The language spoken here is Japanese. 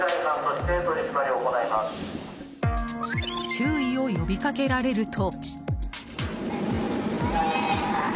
注意を呼びかけられると。